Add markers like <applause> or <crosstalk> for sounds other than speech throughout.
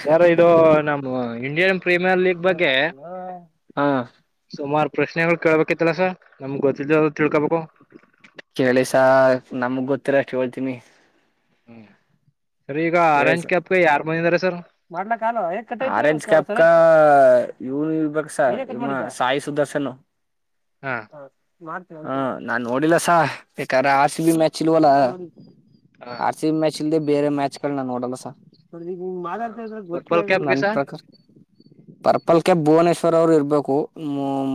Sir ಇದು ನಮ್ಮ Indian premier league ಬಗ್ಗೆ ಹಾ ಸುಮಾರು ಪ್ರಶ್ನೆಗಳು ಕೇಳ ಬೇಕಿತ್ತಲ್ಲ ಸರ್ ನಮ್ಗ್ ಗೊತ್ತಿಲ್ಲ ತಿಳ್ಕೊಬೇಕು ಕೇಳಿ ಸರ್ ನಮಗ್ ಗೊತ್ತಿರ ಅಷ್ಟು ಹೇಳ್ತೀನಿ ಹ್ಮ್ ಸರ್ ಈಗ ಆರೆೇಂಜ್ ಕ್ಯಾಬ್ಗೆ ಯಾರು ಬಂದಿದ್ದಾರೆ ಸರ್ ಮಾಡ್ಲ ಆರೆಂಜ್ ಕ್ಯಾಪ್ ಇವನ್ ಇಲ್ಬೇಕ ಸರ್ ಸಾಯಿ ಸುದರ್ಶನ್ <inaudible> ಹಾ ಹ ನಾನ್ ನೋಡಿಲ್ಲ ಸರ್ ಬೇಕಾದ ಆಸೆ ಬಿ ಮ್ಯಾಚ್ ಇಲ್ವಲ್ಲ ಹ ಆರ್ ಸಿ ಬಿ ಮ್ಯಾಚ್ ಇಲ್ದೆ ಬೇರೆ ಮ್ಯಾಚ್ ಕಣ ನೋಡಲ್ಲ ಸರ್ ನಡಗ ನಿಮ್ ಮಾತಾಡ್ತಾ ಇದ್ರ ಗೊತ್ತಿ ಪರ್ಪಲ್ ಆಗ ಕ್ಯಾಪ್ಗೆ ನನ್ ಸರ್ ಪ್ರಕಾರ ಪರ್ಪಲ್ ಕೆ ಭುವನೇಶ್ವರ್ ಅವರುರ್ಬೇಕು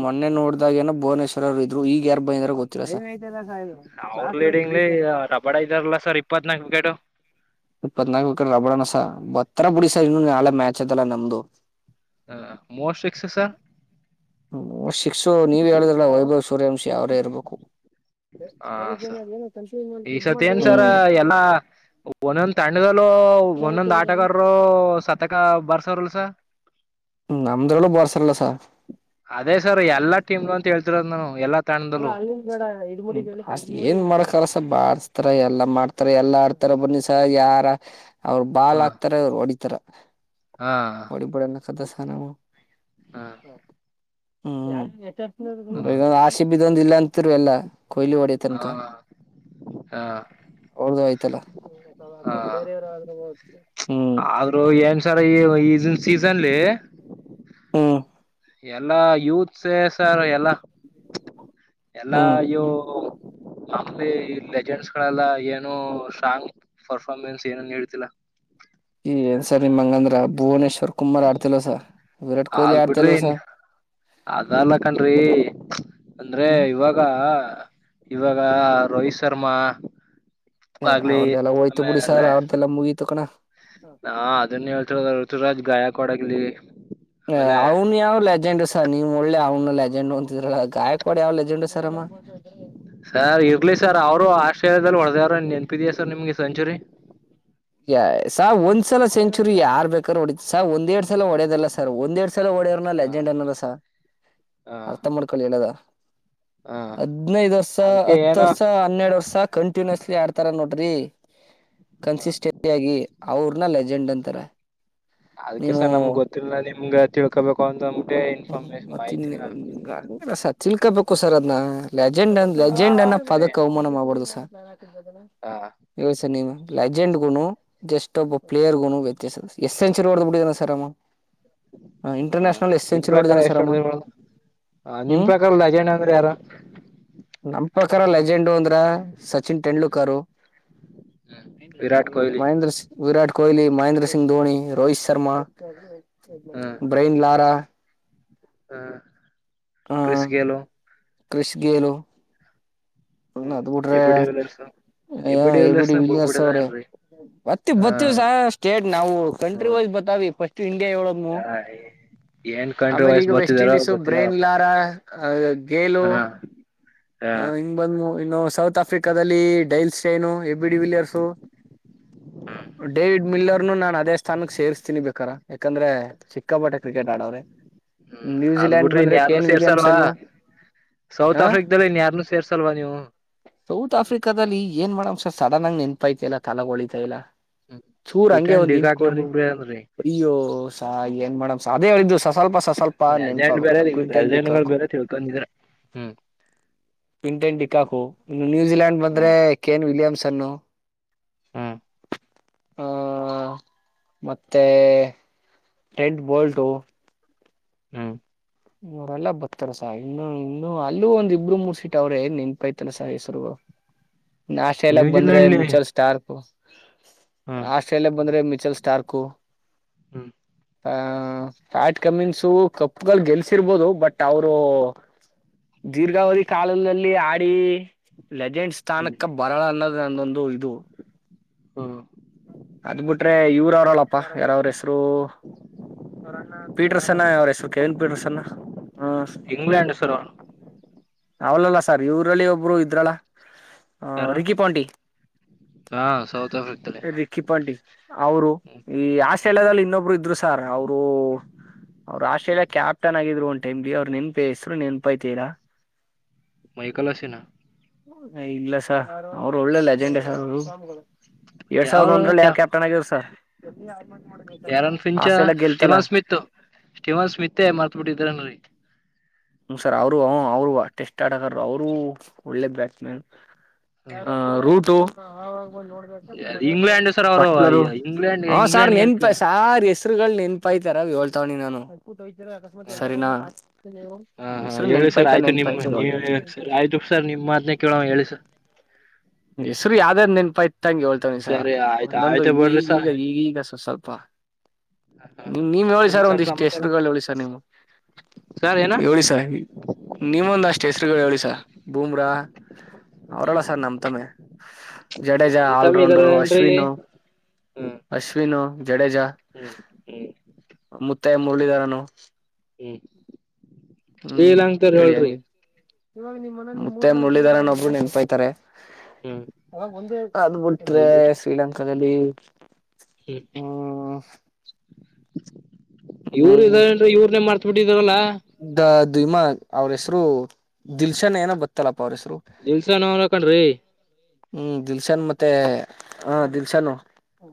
ಮೊನ್ನೆ ನೋಡ್ದಾಗ ಏನೋ ಭುವನೇಶ್ವರ್ ಅವ್ರು ಇದ್ರು ಈಗ ಯಾರಾರ್ ಬಂದ್ರ ಗೊತ್ತ <unintelligible> ಬಡ ಇದಾರಲ್ಲ ಸರ್ ಇಪ್ಪತ್ನಾಕಕ್ ವಿಕೆಟ್ ಇಪ್ಪತ್ನಾಲ್ಕು ಕಡೆ ರಬ್ಬಳಣಸ ಬತ್ತತ್ರ ಬುಡಿಸ ಇನ್ನು ನಾ ಮ್ಯಾಚ್ ಅದಲ್ಲ ನಮ್ದು ಹಾ ಮೋಸ್ಟ್ ಪಿಕ್ಸಸ್ ಸರ್ ಹ್ಮ ಶಿಕ್ಸು ನೀವ ಹೇಳಿದ್ರೆ ನಾ ವೈಭವ್ ಸೂರ್ಯಾಂಶಿ ಅವರೇ ಇರ್ಬೇಕು ಹ ಹೇಳಿದ ಬಂದಿ ಸರ್ ಅ ಏನ ಕನಪೂಜ್ ಈ ಇದ್ ಸತಿ ಮಾಡ್ದೇವ ಏನ್ ಸರ್ ಎಲ್ಲಾ ಒಂದೊಂದ್ ತಂಡದಲ್ಲೂ ಒಂದೊಂದ್ ಆಟಗಾರರು ಸತಕ ಬಾರ್ಸರಲ ಸರ್ ನಮದರಲ ಬಾರಸರ್ಲ್ಲ ಸರ್ ಅದೇ ಸರ್ ಎಲ್ಲಾ ಟೀಮಗಳು ಅಂತ ಹೇಳ್ತಿರೋ ನಾನು ಎಲ್ಲಾ ತಾಣದಲ್ಲೂ ಏನ್ ಮಾಡಕ ಆಗಲ್ ಸರ್ ಬಾರಿಸ್ತಾರ ಎಲ್ಲಾ ಮಾಡ್ತಾರ ಎಲ್ಲಾ ಆಡ್ತ ತರ ಬನ್ನಿ ಸ ಯಾರ ಅವ್ರರು ಹ ಬಾಲ್ ಹಾಕ್ತಾರ ಅವರು ಹೊಡಿತಾರ ಹಾ ಬಡಿ ಬಡ <unintelligible> ಹಾ ಹ್ಮ್ ಹಾ ಆಸೆ ಬಿದೊಂದ ಇಲ್ಲ ಅಂತರು ಎಲ್ಲಾ ಕೊಹ್ಲಿ ಹೊಡಿ ತನಕ ಹಾ ಹಾ ಅವೌದು ಆಯ್ತಲ್ಲ ಬೇರೆಯವ್ರೂ ಹೋಗ <unintelligible> ಆದ್ರೂ ಏನ್ ಸರ ಈ ಈನ್ ಸೀಸನ್ಲಿ ಹುಂ ಎಲ್ಲಾ ಯೂತ್ಸ ಸರ್ ಎಲ್ಲ ಎಲ್ಲ ಹ್ಮ್ ಇ್ಯ ಆಮಲೆ ಈ ಲೆಜೆಂಡ್ಸ್ ಗಳೆಲ್ಲ ಏನು ಸ್ಟ್ರಾಂಗ್ ಪರ್ಫಾರ್ಮೆನ್ಸ್ ಏನನ್ ಹೇಳತಿಲಾ ಈ ಏನ್ ಸರ್ ನಿಮ್ ಹಂಗಂದ್ರ ಭುವನೇಶ್ವರ್ ಕುಮಾರ್ ಆಡ್ತಿಲ್ವ ಸ ವಿರಾಟ್ ಕೊಹ್ಲಿ ಆಡ್ತಿಲ್ವ ಸರ್ ಅದಲ್ಲಕನರೀ ಅಂದ್ರೆ ಹ್ಮ್ ಇವಾಗ ಈಗ ಇವಾಗ ರೋಹಿತ್ ಶರ್ಮಾ ಆಗ್ಲಿ ಅವ್ರ್ದದೆಲ್ಲ ಹೋತು ಬಿಡಿ ಆಮೇಲೆ ಸರ್ ಅವ್ರ್ದೆಲ್ಲ ಮುಗೀತು ಕಣೋ ಹಾ ಅದನ್ನ ಹೇಳ್ತಿರ ಋತುರಾಜ್ ಗಾಯಕವಾಡ ಹ ಅವನ ಯಾವ ಲೆಜೆಂಡ ನೀವ್ ಒಳ್ಳೆ ಅವ್ನ ಲೆಜೆಂಡ್ ಹೊಂತಿದ್ರ ಗಾಯಕ್ವಾಡ ಯಾವ್ ಲೆಜೆಂಡ್ ಸರ ಅಮ್ಮ ಸರ್ ಇರ್ಲಿ ಸರ್ ಅವರು ಆಸ್ಟ್ರೇಲಿಯಾದಲ್ಲಿ ಹೊಡೆದಾರರು ನೆನಪಿದ್ಯಾ ಸರ್ ನಿಮ್ಗೆ ಸೆಂಚುರಿ ಯ ಸಹ ಒಂದ್ ಸಲ ಸೆಂಚುರಿ ಯಾರ್ ಬೇಕಾದ ಹೊಡ ಸ ಒಂದೆರಡ್ ಸಲ ಹೊಡ್ಯದಲ್ಲ ಸರ್ ಒಂದೆರಡ್ ಸಲ ಹೊಡ ಡವ್ನ ಹ ಲೆಜೆಂಡ್ ಅನ್ನಾಲ್ಲ ಸ ಹ ಅರ್ಥ ಮಾಡ್ಕೊಳ್ಳಿ ಹೇಳದ ಹ ಹದ್ನೈದ ವರ್ಷ ಅದಕ್ಕೆ ಹತ್ತು ಏನೋ ವರ್ಷ ಹನ್ನೆರಡು ವರ್ಷ ಕಂಟಿನ್ಯಸ್ಲಿ ಆಡ್ತಾರ ನೋಡ್ರಿ ಹ ಕನ್ಸಿಸ್ಟೆನ್ಸಿ ಯಾಗಿ ಅವ್ರನ ಲೆಜೆಂಡ್ ಅಂತಾರ ಅದ್ಕ್ಕೆ ಸರ್ ನಮ್ಗ್ ಗೊತ್ತಿಲ್ಲ ನಿಮ್ಗ ತಿಳ್ಕೊಬೇಕು ಅಂತಂದ್ಬಟ್ಟೆ ಹ ಮತ್ತ ಗಲುು <unintelligible> ಅಲ್ಲ ಸರ್ ತಿಳ್ಕೋಬೇಕು ಸರ್ ಅದ್ನ ಲೆಜೆಂಡ್ ಹಾ ಲೆಜೆಂಡ್ ಅನ್ನ ಅದನ್ನೇ ಪದಕ್ ಅವಮಾನ ಮಾಡ್ಬಾರಡದು ಸರ್ ಹ ಇವಾಗ ಸ ಲೆಜೆಂಡ್ ಗುನು ಜಸ್ಟ್ ಒಬ್ಬ ಪ್ಲೇರ್ಗುನು ವ್ಯತ್ಯಾಸ ಅದ ಸ ಎಷ್ಟು ಸೆಂಚರಿ ಓಡಬಿಟ್ಟಿದಿನು ಸರ್ ಅವ ಹ ಇಂಟರ್ನ್ಯಷನಲ್ ಎಸ್ಟ್ ಸೆಂ ನಿಮ್ ಪ್ರಕಾರ ಎಷ್ಟು ನಿಮ್ ಹ್ಮ್ ಪ್ರಕಾರದ ಲೆಜೆಂಡ್ ಅಂದ್ರೆ ಯಾರು ನಮ್ ಪ್ರಕಾರ ಲೆಜೆಂಡ್ ಅಂದ್ರ ಸಚಿನ್ ತೆಂಡೂಲ್ಕರ್ ವಿರಾಟ್ ಕೊಹ್ಲಿ ಮಹೇಂದ್ರ ಸಿಂಗ್ ವಿರಾಟ್ ಕೊಹ್ಲಿ ಮಹೇಂದ್ರ ಸಿಂಗ್ ಧೋನಿ ರೋಹಿತ್ ಶರ್ಮಾ ಬ್ರೈನ್ ಲಾರಾ ಹ ಕ್ರಿಸ್ಗೆಲುೋ ಕ್ರಿಷ್ ಗೇಲು ಹ ಹ್ಮ್ ಅದ ಬಿಟ್ರೆ AB de Villiers AB A. B. De Villiers de ನ ವಿಲಿಯರ್ಸ್ ಅವ್ರೆ ಬಿಡ್ಬಿಟ್ಟಿದೇನ್ರಿ ಬತ್ತತಿವಿ ಹಾ ಬರ್ತೀವಿ ಸ ಸ್ಟೇಟ್ ನಾವು ಕಂಟ್ರಿ ವೈಸ್ ಬರ್ತಾವಿ ಫಸ್ಟ್ ಇಂಡಿಯಾ ಹೇಳುಮು ಸ <unintelligible> ಆಮೇಲೆ ಈಗ ವೆಸ್ಟ್ ಇಂಡೀಸ್ ಬ್ರೇನ್ ಗೊತ್ತಿಲ್ಲಪ್ಪ ಲಾರ ಗೇಲು ಹಾ ಬಂದ್ ಇನ್ನು ಸೌತ್ ಆಫ್ರಿಕಾದಲ್ಲಿ Dale Steyn A. B. De Villiers David ಮಿಲ್ಲರ್ನು ನಾನ್ ಅದೇ ಸ್ಥಾನಕ್ ಸೇರ್ಸ್ತೀನಿ ಬೇಕಾರ ಯಾಕಂದ್ರೆ ಸಿಕ್ಕಾಪಟ್ಟೆ ಕ್ರಿಕೆಟ್ ಆಡೋ್ರೆ ಹ್ಮ್ ಅದ್ ಬಿಟ್ರಿ ಇನ್ ಯಾರ್ನ್ನು ಸೇರ್ಸಲ್ವಾ ವಿಲಿಯಮ್ಸನ್ ಸೌತ್ ಆ ಆಫ್ರಿಕದಲ್ಲಿ ಇನ್ ಯಾರ್ನ್ನು ಸೇರ್ಸಲ್ವ ನೀವು ಸೌತ್ ಆಫ್ರಿಕಾದಲ್ಲಿ ಏನ್ ಮಾಡೋಂ ಸರ್ ಸಡನ್ ಆಗಿ ನೆನಪೈತ ಇಲ್ಲ ತಲಗ ಹೊಳಿತ ಇಲ್ಲ ಚೂರ್ ಹಂಗೆ ಕ್ಯೂಟನ್ ಒಂದ್ ಹಿಂಟ್ ಡಿಗಾಕ್ನ ಕೊಡ್ರಿ ಬಿಡ್ಬಿ ಅಂದ್ರಿ ಅಯ್ಯೋ ಸ ಏನ್ ಮಾಡೇಮ್ ಸ ಅದೇ ಹೇಳಿದ್ದು ಸ ಸ್ವಲ್ಪ ಸ ಸ್ವಲ್ಪ ಲೆಜೆಂಡ್ ಬೇರೆ ನೆನ್ಪಾಗಬೇಕ ಕ್ವಿಂಟನ್ ಲೆಜಂಡ್ಗಳು ಬೇರೆ ತಿಳ್ಕೊಂಡಿದ್ರ ಹ್ಮ್ ಇಂಟೆನ್ ಟಿಕಾಕು ಇನ್ನು ನ್ಯೂಜಿಲೆಯಂಡ್ ಬಂದ್ರೆ ಹ್ಮ್ ಕೇನ್ ವಿಲಿಯಮ್ಸನ್ನು ಹ್ಮ್ ಹ ಮತ್ತೆ ಟೆಂಟ್ ಭೋಲ್ಟು ಹ್ಮ್ ಅವ್ರಲ್ಲ ಬರ್ತಾರ ಸ ಇನ್ನು ಇನ್ನು ಅಲ್ಲೂ ಒಂದ ಇಬ್ಬರು ಮೂರ್ ಸೀಟ್ ಅವ್ರೆ ನೆನ್ಪೈತಾ ಇಲ್ಲ ಸ ಹೆಸರುಗಳು ನಾಷ್ಟ ಎಲ್ಲ ಬಂದ್ರೆ ನ್ಯೂಜಿಲೆಂಡ್ಲಿ ಮ್ಯೂಚಲ್ ಸ್ಟಾರ್ಕ್ ಹ್ಮ ಆಸ್ಟ್ರೇಲಿಯಾ ಬಂದ್ರೆ ಮಿಚಲ್ ಸ್ಟಾರ್ಕು ಹ್ಮ್ ಆ ಫ್ಯಾಟ್ ಕಮಿಂಗ್ಸು ಕಪ್ ಗಳ್ ಗೆಲ್ಸಿರ್ಬೋದು ಬಟ್ ಅವರು ದೀರ್ಘಾವಧಿ ಕಾಲದಲ್ಲಿ ಆಡಿ ಲೆಜೆಂಡ್ಸ್ ಹ್ಮ್ ಸ್ಥಾನಕ್ಕ ಬರಲ ಅನ್ನೋದ ನಂದೊಂದು ಇದು ಹ್ಮ್ ಅದ್ ಬಿಟ್ರೆ ಇವ್ರ ಅವ್ರಲ್ಲಪ್ಪಾ ಯಾರ ಅವ್ರ ಹೆಸರು ಅವ್ರಣ್ಣ ಪೀಟರ್ಸನ್ನ ಅವ್ರ ಹೆಸರು ಕೆವಿನ್ ಪಿಟ್ರಸನ್ನ ಹ ಇಂಗ್ಲೆಂಡ್ ಸರ್ ಅವ್ರು ಅವರಲ್ಲ ಸರ್ ಇವರಲ್ಲಿ ಒಬ್ರು ಇದ್ರಲ್ಲ ಅ ಯಾರು ರಿಕ್ಕಿ ಪಾಂಡಿ. ಹಾ ಸೌತ್ ಆಫ್ರಿಕದಲ್ಲಿ <inaudible> ಕಿಪ್ಂಡಿ ಅವರು ಹ್ಮ ಈ ಹ್ಮ್ ಆಸ್ಟ್ರೇಲಿಯಾದಲ್ಲಿ ಇನ್ನೊಬ್ರು ಇದ್ರು ಸಾರ್ ಅವರು <inaudible> ಅವರ ಆಸ್ಟ್ರೇಯಾ ಕ್ಯಾಪ್ಟನ ಆಗಿದ್ರು ಒನ್ ಟೈಮ್ ಗೆ ಅವರ ನೀನ್ ಫೇಸ್ ಹೆಸರು ನೆನ್ಪೈಐತಿರಾ? <inaudible> ಮೈಕಲಾಸಿನಾ? <inaudible> ಅ ಇಲ್ಲ ಸರ್ ಅವ್ರು ಒಳ್ಳೆ ಲೆಜೆಂಡ ಸರ್ ಅವರು <inaudible> ಎರಡ್ ಸಾವಿರದ ಒಂದಲ್ಲಿ ಯಾರ ಕ್ಯಾಪ್ಟನ್ ಆಗಿದ್ರು ಸರ್ ಯಾರನ್ ಫಿಂಚ ಆಸ್ಟ್ರೇಲಿಯ ಗೆಲ್ <inaudible> ಸ್ಟೀವನ್ ಸ್ಮಿತ್ ಸ್ಟೀವನ್ ಸ್ಮಿತೇ ಮರತಬಿಟ್ಟಿದಾರನಾ ಈಗ <inaudible> ನಮಸ್ಕಾರ ಅವರು ಅ ಅವರು ಟೆಸ್ಟ್ ಆಟಗಾರರು ಅವರು ಒಳ್ಳೆ ಬ್ಯಾಟ್ಸ್ ಮ್ಯಾನ್. <inaudible> ಆ ರೂಟ ಇಂಗ್ಲೆಂಡ್ ಸರ್ ಅವರು ಬಟ್ಲರು. <inaudible> ಇಂಗ್ಲೆಂಡ್ ಹ ಸಾರ್ ಇಂಗ್ಲೆಂಡ್ ನೆನಪದ ಸಾರ್ <inaudible> ಹೆಸರ್ಗಳ್ ನೆನಪಯಐತಾರ ಹೇಳ್ತಾವಿನೀ ನಾನು ಹ ಸರಿನಾ? <inaudible> ಹಾ ಹಾ ಹೆಸರು ನೆನಪಾಯಾತಾ ನೆನಪಾಯಾತಾ ಹೇಳ್ <inaudible> ಇದೀಪ್ ಸರ್ ನಿಮ್ಮ ಮಾತನ್ನು ಕೇಳೋವ ಹೇಳಿ ಸರ್. <inaudible> ಹೆಸರು ಯಾವದ ಯಾವದ ನೆಪಾಯಾತ. <inaudible> ಇದಹಂಗ ಹೇಳತ್ತಿವಿನೀ ಸರ್ ಸರಿ ಆಯ್ತ ಒಂದೊಂದ ಆಯ್ತ ಈ ಬಿಡ್ರಿ ಸರ್ ಈಗೀಗ ಈಗೀಗ ಸ್ವ ಸ್ವಲ್ಪ. <inaudible> ನೀವ್ ಹೇಳಿ ಇನ್ನೇನ್ ಸರ್ ಒಂದ ಇಷ್ಟ ಸಮಾಚಾರ ಹೆಸರುಗಳು ಹೇಳಿ ಸರ್ ನೀಮ್ <inaudible> ಸರ್ ಏನ ಹೇಳಿ ಸರ್ ನೀವ್ ಒಂದ್ ಅಷ್ಟ ಹೆಸರುಗಳು ಹೇಳಿ ಸರ್ ಬೂಮ್ರಾ <inaudible> ಅವರಲ್ಲ ಸರ್ ನಮ್ಮ ತಮ್ಮೆ ಜಡೇಜಾ ನಮ್ ತಮ್ಮಿ ಆಲ್ರೌಂಡರು ಇದಾರೇನ್ರಿ ಅಶ್ವಿನ್ ಹ್ಮ <inaudible> ಅಶ್ವಿನ ಜಡೇಜ ಹ್ಮ್ ಹ್ಮ್ ಮುತ್ತೈ ಮುರಳೀಧರನು <inaudible> ಹೂ ಶ್ರೀಲಂಕದ ಹೇಳ್ರಿ. ಮತ್ತೆ ಮುರಳಧರನೊಬ್ರು ನೆನ್ಪೈ್ತಾರೆ. ಹ್ಮ್ <inaudible> ಅದ ಅದ್ ಬಿಟ್ಟರೆ ಶ್ರೀಲಂಕಾದಲ್ಲಿ, <inaudible> ಹಿ <inaudible> ಇವ್ ಹ್ಮ್ ಇದಾರ ಏನ್ರಿ ಇವ್ರನೆೇ ಮರತ ಬಿಟ್ಟಿದಾರಲ್ಲಾ? ದ ದಿಮ್ ಅವ್ರ ಹೆಸರು ದಿಲ್ಶನ್ ಏನೋ ಬತ್ತಲ್ಲಪ್ಪ ಅವ್ರ ಹೆಸರು. <inaudible> ದಿಲ್ಶನ್ ಅವನೇ ಕಣ್ರಿ. <inaudible> ಹೂ ದಿಲ್ಶನ್ ಮತ್ತೆ ಹ ದಿಲ್ಶನು <inaudible>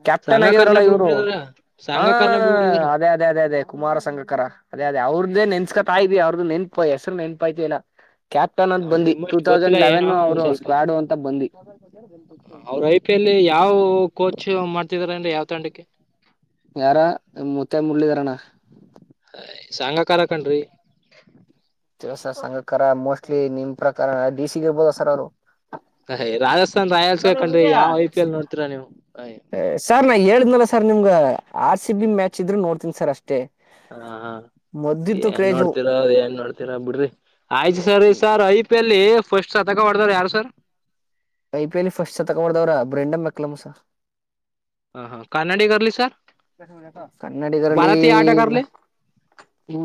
ಕ್ಯಾಪ್ಟನ್ ಸಂಘಕಾರನೇ ಆಗಿದ್ರಲ್ಲ ಇವ್ರು ಬಿಡ್ಬಿಟ್ಟಿದಾರ ಹಾ ಸಂಘಕಾರನೇ ಬಿಡ್ಬಿಟ್ಟಿದಾರಲ್ಲ ಅದೇ ಅದೇ ಅದೇ ಅದೇ ಕುಮಾರ ಸಂಘಕರ ಅದೇ ಅದೇ ಅವ್ರದ್ದ ನೆನಸಕ್ಕತಾ ಇದಿಯಾ ಅವ್ರದ ನೆನಪ ಹೆಸರು ನೆನಪ ಆಯ್ತ ಇಲ್ಲ. <inaudible> ಕ್ಯಾಪ್ಟನ್ ಅಂತ ನಮ್ ಬಂದಿ ಟೂ ನಿಮ್ಮಷ್ಟು ಗೊತ್ತಿಲ್ಲ ತೌಸಂಡ್ ಏನೋ ಲೆವೆನ್ ಒಂದ್ ಅವರು ಸ್ವಲ್ಪ ಸ್ಕ್ವಾಡು ಅಂತ ಬಂದಿ. ಅವರ ಐ ಪಿ ಎಲ್ ಯಾವ ಕೋಚ್ ಮಾಡ್ತಿದಾರ ಯಾವ್ ತಂಡಕ್ಕೆ. <inaudible> ಯಾರ ಮುತ್ತೆ ಮುರ್ಳಿದಾರಣ್ಣ. <inaudible> ಸಂಘಕಾರ ಕಣ್ರಿ. <inaudible> ಸ ಸಂಘಕಾರ ಮೋಸ್ಟ್ಲಿ ನಿಮ್ಮ ಪ್ರಕಾರ ಡಿ ಸಿಗ ಬೋಳಸತ್ತರ ಅವರು ಹ ಹೈ ರಾಜಸ್ಥಾನ್ ರಾಯಲ್ಸ್ಗೆ ಸರ್ ಕಂಡ್ರಿ ಯಾವ್ ಐ ಪಿ ಎಲ್ ನೋಡ್ತೀರಾ ನೀವು? <inaudible> ಸರ್ ನಾ ಹೇಳಿದ್ನಲ್ಲ ಸರ್ ನಿಮಗ ಆರ್ ಸಿ ಬಿ ಮ್ಯಾಚ್ ಇದ್ರು ನೋಡ್ತೀನಿ ಸರ್ ಅಷ್ಟೇ. <inaudible> ಹ ಹ ಮೊದ್ದಿತ್ತು ಏನ್ ಕ್ರೇಜು ನೋಡ್ತೀರಾ ಏನ್ ನೋಡ್ತೀರಾ ಬಿಡ್ರಿ. ಆಯ್ತು ಸರಿ ಸರ್ ಐ ಪಿ ಎಲ್ಲಿ ಫಸ್ಟ್ ಶತಕ ಹೊಡದವರು ಯಾರು sir <inaudible> I P L first ಶತಕ ಹೊಡದವರ ಬ್ರೆಂಡಮ ಅಕಲಮ್ಮ ಸ ಹ ಹಾ ಕನ್ನಡಿಗರ್ಲಿ ಸರ್ ಕನ್ನಡಿಗರಲ್ಲಿ, ಭಾರತೀಯ ಆಟಗಾರ್ಲಿ <inaudible> ಹೂ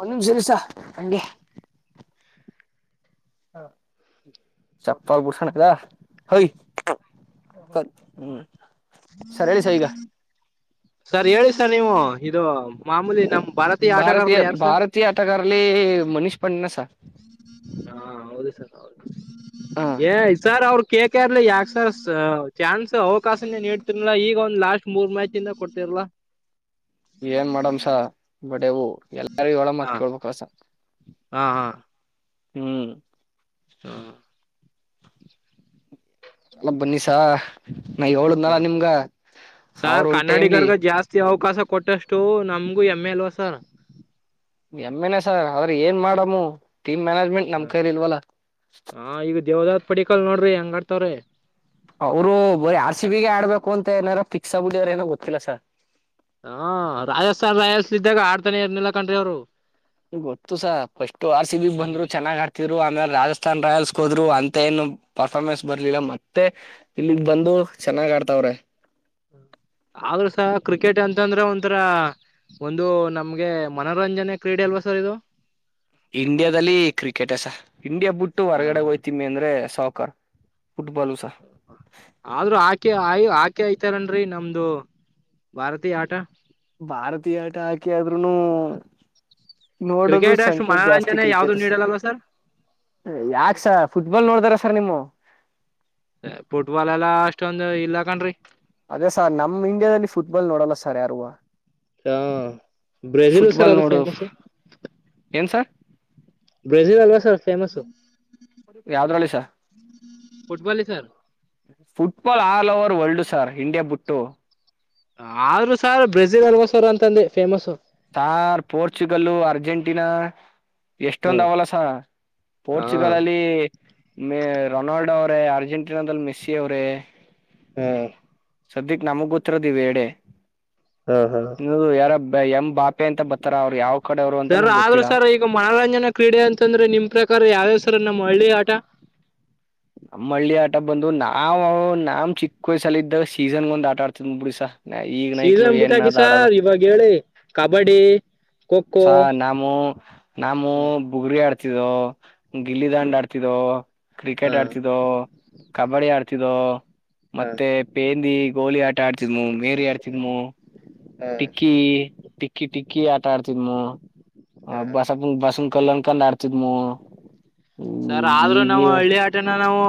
ಒಂದ ನಿಮಿಷ ಇರಿ ಸರ್ ಹಂಗೆ. <inaudible> ಚಪ್ಪಲ ಬುಷಣ ಕದಾ ಹೈ <inaudible> ಹ ಸರ್ ಹೇಳಿ ಸರ್ ಈಗ. <inaudible> ಸರ್ ಹೇಳಿ ಸರ್ ನೀವು ಇದು ಮಾಮೂಲಿ ನಮ್ಮ ಭಾರತೀಯ ಆಟಗಾರ್ಲು ಯಾರು ಸರ್? <inaudible> ಆತ ಕಾರಲೆ ಮನಷ್ ಪಣ್ಣಸ ಹಾ ಹೌದು ಸರ್ ಹೌದ್ ಹ ಏ ಸರ್ ಅವರು ಕೇಕ ಇರ್ಲಿ ಯಾಕ ಸರ್ ಚಾನ್ಸ್ ಅವಕಾಶನೇ ನೀಡ್ತಿರ್ಲ ಈಗ ಒಂದ್ ಲಾಸ್ಟ್ ಮೂರ್ ಮ್ಯಾಚ್ ಇಂದ ಕೊಡ್ತಿರ್ಲಾ. ಏನ್ ಮಾಡ್ಯಮ್ ಬಡೆವು ಎಲ್ಲಾರ್ ಹೇಳೋ ಹ ಮಾತ್ಕಳ್ಬೇಕಸ ಹಾ ಹಾ ಹ್ಮ್ ಹಾ ಅಲ್ಲ ಬನ್ನಿ ಸರ್ ನಾ ಏಳದ್ನಾ ಹ್ಮ್ ನಿಮ್ಗ ಅವರು ಸಾರ್ ಒಂದು ಟೈಮ್ಲಿ ಕನ್ನಡಿಗರ್ಗ ಜಾಸ್ತಿ ಅವಕಾಶ ಕೊಟ್ಟು ಅಷ್ಟು ನಮ್ಗು ಹೆಮ್ಮೆ ಅಲ್ವಾ ಸರ್. ಹೆಮ್ಮೆನೆ ಸರ್ ಆದ್ರೆ ಏನ್ ಮಾಡಮ್ಮು ಟೀಮ್ ಮ್ಯಾನೇಜ್ಮೆಂಟ್ ನಮ್ ಕೈಲ್ಲಿ ಇಲ್ವಲ್ಲಾ. ಹಾ ಈಗ ದೇವದತ್ ಪಡಿಕಲ್ ನೋಡ್ರಿ ಹೆಂಗ್ ಆಡ್ತಾವ್ರೇ. ಅವ್ರು ಬರೀ ಆರ್ ಸಿ ಬಿ ಗೆ ಆಡ್ಬೇಕು ಅಂತ ಏನಾರೂ ಫಿಕ್ಸ್ ಆಗ್ಬೀಟವರ್ರೆ ಅವ್ರ ಏನೋ ಗೊತ್ತಿಲ್ಲ ಸರ್. ಹಾ ರಾಜಸ್ಥಾನ್ ರಾಯಲ್ಸ್ ಇದ್ದಾಗ ಆಡ್ತಾನೆ ಇರ್ನಿಲ್ಲ ಕಣ್ರಿ ಅವ್ರು. ಗೊತ್ತು sir first R C B ಗೆ ಬಂದ್ರು ಚೆನ್ನಾಗಿ ಆಡ್ ತ್ತಿರು ಆಮೇಲೆ ರಾಜಸ್ಥಾನ್ ರಾಯಲ್ಸ್ ಗೆ ಹೋದ್ರು ಅಂತ ಏನು ಪರ್ಫಾರ್ಮೆನ್ಸ್ ಬರ್ಲಿಲ್ಲ ಮತ್ತೆ. ಇಲ್ಲಿಗ್ ಬಂದು ಚೆನ್ನಾಗ್ ಆಡ್ತಾವ್ರೆ. ಆದ್ರೂ ಸರ್ ಕ್ರಿಕೆಟ್ ಅಂತಂದ್ರೆ ಒಂಥರಾ ಒಂದು ನಮ್ಗೆ ಮನೋರಂಜನೆ ಕ್ರೀಡೆ ಅಲ್ವಾ ಸರ್ ಇದು. ಇಂಡಿಯಾದಲ್ಲಿ ಕ್ರಿಕೆಟ್ ಸರ್ ಇಂಡಿಯಾ ಬುಟ್ಟು ಹೊರಗಡೆ ಹೋಯ್ತ್ ತೀವೆ ಅಂದ್ರೆ ಸಾಹಕಾರರ್ ಫುಟ್ಬಾಲು ಸರ್- ಆದ್ರೂ ಹಾಕೆ ಆಯ್ ಹಾಕಿ ಆಯ್ತಾರನ್ರಿ ನಮ್ದು ಭಾರತೀಯ ಆಟ. ಭಾರತೀಯ ಆಟ ಹಾಕಿ ಆದ್ರುನೂ. ನೋಡೋದು ಕ್ರಿಕೆಟ್ ಅಷ್ಟು ಸಂಖ್ಯೆ ಜಾಸ್ತಿ ಮನೋರಂಜನೆ ಯಾವ್ದು ಕ್ರಿಕೆಟ್ ಸರ್. ನೀಡಲ್ಲಲ್ವ ಯಾಕ್ ಸರ್ ಪುಟ್ಬಾಲ್ ನೋಡ್ತಾರ ಸರ್ ನಿಮ್ಮು ಹೆ ಪುಟ್ಬಾಲ್ ಎಲ್ಲಾ ಅಷ್ಟೊಂದು ಇಲ್ಲಾ ಕಣ್ರೀ ಅದೇ ಸರ್ ನಮ್ ಇಂಡಿಯಾದಲ್ಲಿ ಪುಟ್ಬಾಲ್ ನೋಡಲ್ಲ ಸರ್ ಯಾರುವ ಹಾ ಬ್ರೆಜಿಲ್ ಸರ್ ಫುಟ್ಬಾಲ್ ಅದು ನೋಡು ಫೇಮಸ್ಸು. ಏನ್ ಸರ್ ಬ್ರೆಜಿಲ್ ಅಲ್ವಾ ಸರ್ ಫೇಮಸ್ಸು. ಯಾವ್ದ್ ಅಲ್ಲಿ ಸರ್ ಪುಟ್ಬಾಲಿ sir football all over world sir India ಬುಟ್ಟು. ಆದ್ರೂ ಸರ್ ಬ್ರೆಜಿಲ್ ಅಲ್ವಾ ಸರ್ ಅಂತಂದೆ ಫೇಮಸ್ಸು. ಸರ್ ಪೋರ್ಚುಗಲ್ಲು ಅರ್ಜೆಂಟೀನಾ ಹಾ ಎಷ್ಟೊಂದ್ ಅವೆಲ್ಲಾ ಸರ್ ಪೋರ್ಚುಗಲ್ ಅಲ್ಲಿ ಮೆ ರೊನಾಲ್ಡೋ ಅವ್ರೇ ಅರ್ಜೆಂಟೀನಾದಲ್ಲಿ ಮೆಸ್ಸಿ ಅವ್ರೇ. ಹ್ಮ್ ಸದ್ಯಕ್ ನಮಗ್ ಗೊತ್ತೀರೋದು ಈವ್ ಎರಡೇ ಹ ಹಾ ಇವರ್ ಯಾರೊ ಎಮ್ ಬಾಪೆ ಅಂತ ಬರತ್ತಾರೆ ಅವ್ರು ಯಾವ್ ಕಡೆ ಅವ್ರು ಅಂತ ಸರ್ ನಂಗೆ ಆದ್ರೂ ಗೊತ್ತಿಲ್ಲ ಸರ್ ಈಗ ಮನೋರಂಜನಾ ಕ್ರೀಡೆ ಅಂತಂದ್ರೆ ನಿಮ್ ಪ್ರಕಾರ ಯಾವ್ಯಾವ್ ಸರ್ ನಮ್ಮ ಹಳ್ಳಿ ಆಟ. ನಮ್ಮ ಹಳ್ಳಿ ಆಟ ಬಂದು ನಾವ್ ನಮ್ ಚಿಕ್ಕ ವಯ್ಸಲ್ಲ ಇದಾಗ ಸೀಸನ್ ಒಂದ್ ಆಟ ಆಡ್ತಿದ್ ಬಿಡಿ ಸರ್ ಸೀಸನ್ ಬಿಟ್ಟಾಕಿ ಸರ್ ಇವಾಗ ಹೇಳಿ ಕಬಡ್ಡಿ ಖೋಖೋ ಸರ್ ನಾಮೂ ನಾಮೂ ಬುಗುಡಿ ಆಡ್ತಿದ್ದರೂ. ಗಿಲ್ಲಿ ದಾಂಡ್ ಆಡ್ತಿದ್ದೋ, ಕ್ರಿಕೆಟ್ ಹಾ ಆಡ್ತಿದ್ದೋ, ಕಬಡ್ಡಿ ಆಡ್ತಿದ್ದೋ ಮತ್ತೆ ಪೇಂದಿ ಗೋಲಿ ಆಟ ಆಡ್ತಿದ್ಮು, ಮೇರಿ ಆಡ್ತಿದ್ಮು. ಟಿಕ್ಕಿ ಟಿಕ್ಕಿ ಟಿಕ್ಕಿ ಆಟ ಆಡ್ತಿದ್ಮು. <unintelligible> ಆಡ್ತಿದ್ಮು. ಸರ್ ಆದ್ರೂ ಈಗ ನಾವ್ ಹಳ್ಳಿ ಆಟನ ನಾವು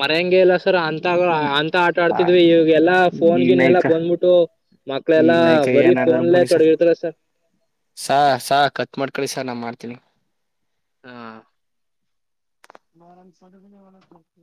ಮರ್ಯಂಗೆ ಇಲ್ಲ ಸರ್ ಅಂತಾಗ ಅಂತ ಆಟ ಆಡ್ ಡ್ತಿದ್ವಿ ಈವಗೆ ಎಲ್ಲಾ ಈಗ ಫೋನ್ಗಿನ್ ಎಲ್ಲಾ ನೈಕ ಬಂದ್ಬಿಟ್ಟು ಮಕ್ಳ ಎಲ್ಲ ಈಗ ನೈಕ ಬರೀ ಏನ್ ಫೋನ್ಲೆ ತೊಡಗಿರ್ತಾರೆ ಸರ್. ಸ ಸ ಕಟ್ ಮಾಡ್ಕೊಳ್ಳಿ ಸರ್ ನಾ ಮಾಡ್ತೀನಿ. ಆ <unintelligible>